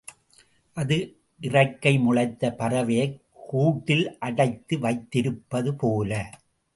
அது, இறக்கை முளைத்த பறவையை கூண்டில் அடைத்து வைத்திருப்பதைப்போல.